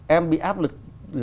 em bị áp lực